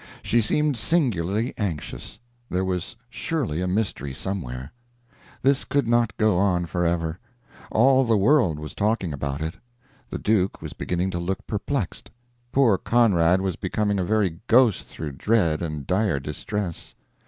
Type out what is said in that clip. She seemed singularly anxious. There was surely a mystery somewhere. This could not go on forever. All the world was talking about it. The Duke was beginning to look perplexed. Poor Conrad was becoming a very ghost through dread and dire distress.